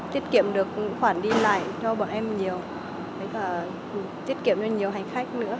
tiết kiệm được khoản đi lại cho bọn em nhiều